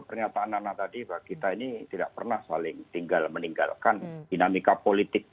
pernyataan nana tadi bahwa kita ini tidak pernah saling tinggal meninggalkan dinamika politik